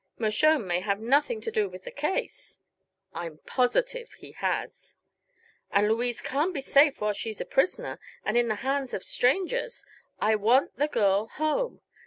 "Mershone may have nothing to do with the case." "I'm positive he has." "And Louise can't be safe while she's a prisoner, and in the hands of strangers. I want the girl home!